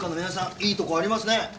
いいとこありますね。